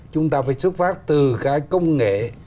chúng ta phải xuất phát từ cái công nghệ